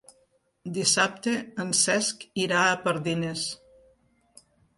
Dissabte en Cesc irà a Pardines.